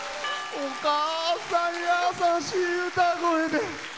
お母さん、優しい歌声で。